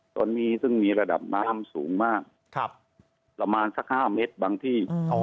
ตอนนี้ซึ่งมีระดับน้ำสูงมากประมาณสัก๕เมตรบางที่